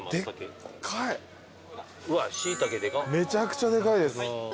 めちゃくちゃでかいです。